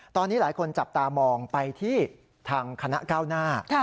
ตอนนี้หลายคนจับตามองไปที่ทางคณะก้าวหน้า